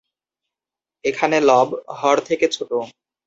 এখানে লব, হর থেকে ছোট।